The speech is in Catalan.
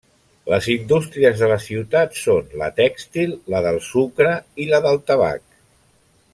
Les indústries de la ciutat són la tèxtil, la del sucre i la del tabac.